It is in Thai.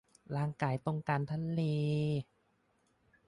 ร่างกายต้องการทะเล